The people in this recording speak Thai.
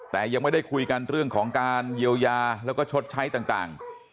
แต่ยังไม่ได้คุยกันเรื่องของการเยียวยาแล้วก็ชดใช้ต่าง